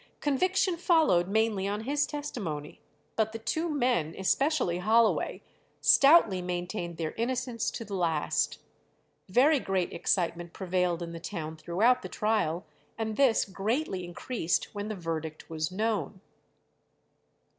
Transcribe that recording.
Conviction followed mainly on his testimony; but the two men, especially Holloway, stoutly maintained their innocence to the last. Very great excitement prevailed in the town throughout the trial, and this greatly increased when the verdict was known.